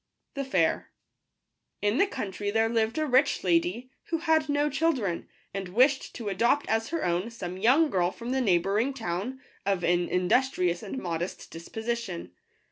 p Wht § air* *N the country there lived a rich lady, who had no children, and wished to adopt as her own some young girl from the neighbouring town, of an industrious and modest disposi tion.